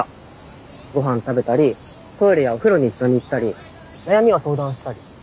ごはん食べたりトイレやお風呂に一緒に行ったり悩みを相談したり。